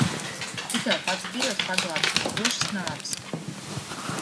Tikai pats Dievs paglābis no drošas nāves.